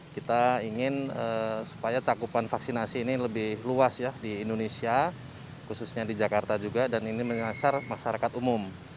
kita ingin supaya cakupan vaksinasi ini lebih luas ya di indonesia khususnya di jakarta juga dan ini mengasar masyarakat umum